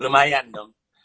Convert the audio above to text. lumayan dikit dong